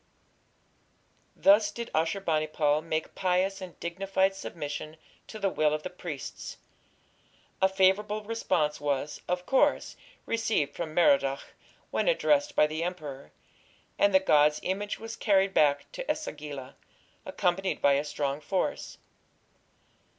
Thus did Ashur bani pal make pious and dignified submission to the will of the priests. A favourable response was, of course, received from Merodach when addressed by the emperor, and the god's image was carried back to E sagila, accompanied by a strong force.